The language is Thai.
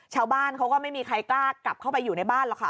ชาวบ้านเขาก็ไม่มีใครกล้ากลับเข้าไปอยู่ในบ้านหรอกค่ะ